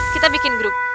kita bikin grup